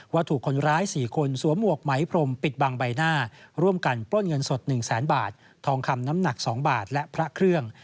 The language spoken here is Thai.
ถูกคนร้าย๔คนสวมหวกไหมพรมปิดบังใบหน้าร่วมกันปล้นเงินสด๑แสนบาททองคำน้ำหนัก๒บาทและพระเครื่อง